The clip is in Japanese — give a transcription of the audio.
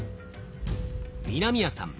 南谷さん